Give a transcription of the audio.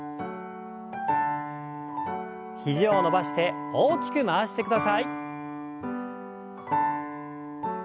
肘を伸ばして大きく回してください。